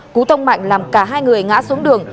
cú tông mạnh làm cả hai người ngã xuống đường